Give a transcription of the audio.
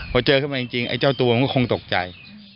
พอเจอขึ้นมาจริงไอ้เจ้าตัวมันก็คงตกใจ